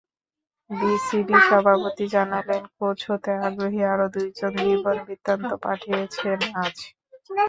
BCB সভাপতি জানালেন, coach হতে আগ্রহী আরও দুজন জীবনবৃত্তান্ত পাঠিয়েছেন আজ।